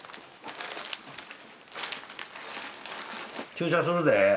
注射するで。